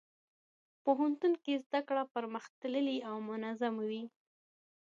پوهنتون کې زدهکړه پرمختللې او منظمه وي.